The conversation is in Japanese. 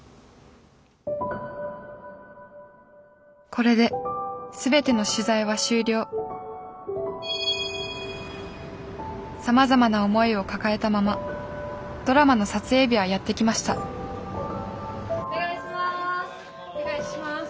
これで全ての取材は終了さまざまな思いを抱えたままドラマの撮影日はやって来ましたお願いします。